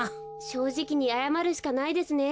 しょうじきにあやまるしかないですね。